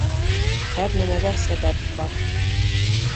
Һәр нәмәгә сәбәп бар.